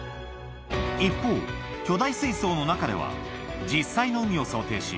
一方、巨大水槽の中では、実際の海を想定し、